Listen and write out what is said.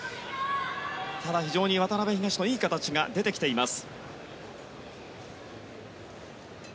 ただ、非常に渡辺、東野いい形が出てきています。